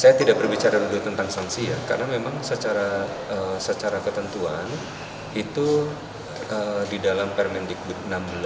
saya tidak berbicara dulu tentang sanksi ya karena memang secara ketentuan itu di dalam permendikbud enam belas